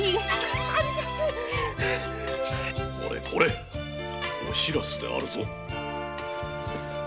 これこれお白洲であるぞ。